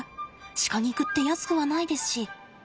鹿肉って安くはないですし。